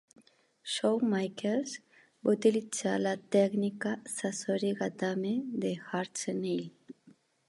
Shawn Michaels va utilitzar la tècnica Sasori-Gatame de Hart en ell.